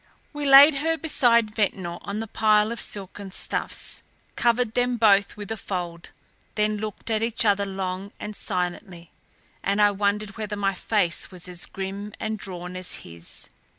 We laid her beside Ventnor on the pile of silken stuffs, covered them both with a fold, then looked at each other long and silently and I wondered whether my face was as grim and drawn as his.